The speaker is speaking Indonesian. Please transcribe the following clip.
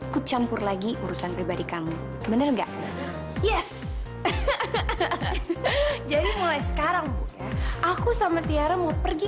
kucampur lagi urusan pribadi kamu bener gak yes jadi mulai sekarang aku sama tiara mau pergi